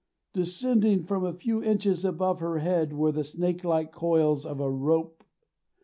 Descending from a few inches above her head were the snake like coils of a rope.